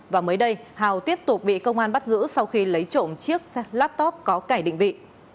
và mới đây hào tiếp tục bị công an bắt giữ sau khi lấy trộm chiếc laptop có kẻ định vị